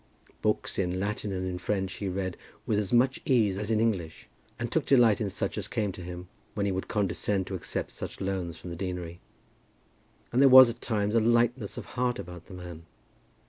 Books in Latin and in French he read with as much ease as in English, and took delight in such as came to him, when he would condescend to accept such loans from the deanery. And there was at times a lightness of heart about the man.